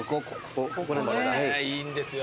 ・いいんですよ。